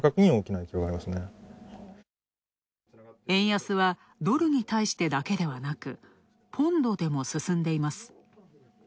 円安はドルに対してだけではなくポンドでも進んでいます。